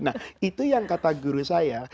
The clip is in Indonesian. nah itu yang kata guru saya